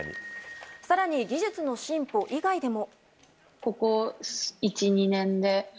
更に、技術の進歩以外でも。